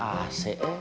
gaya si gendut